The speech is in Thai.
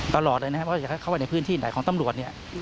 ตลอดเลยเพราะเข้าไปในพื้นที่ไหนของตำรวจ